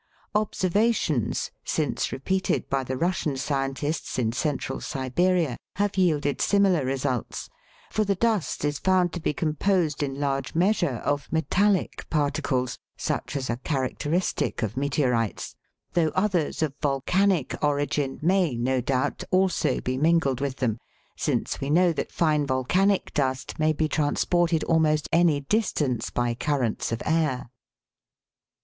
Observations, since repeated by the Russian scientists in Central Siberia, have yielded similar results, for the dust is found to be composed in large measure of metallic par ticles, such as are characteristic of meteorites, though others i a THE WORLDS LUMBER ROOM. of volcanic origin may, no doubt, also be mingled with them, since we know that fine volcanic dust may be trans ported almost any distance by currents of air.